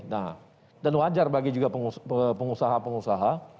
nah dan wajar bagi juga pengusaha pengusaha